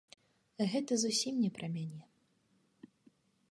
Гэта зусім не пра мяне.